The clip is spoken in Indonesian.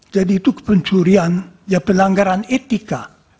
jadi itu pencurian ya pelanggaran etika